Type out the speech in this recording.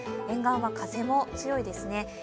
沿岸は風も強いですね。